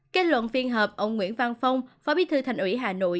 kết luận phiên họp ông nguyễn văn phong phó bí thư thành ủy hà nội